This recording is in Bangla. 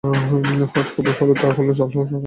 হজ কবুল হলো কি হলো না তা শুধু আল্লাহ তাআলাই জানেন।